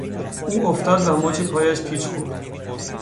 او افتاد و مچ پایش پیچ خورد.